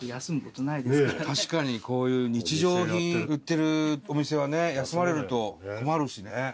確かにこういう日常品売ってるお店はね休まれると困るしね。